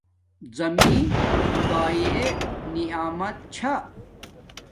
زمین خداݵ نعمیت چھا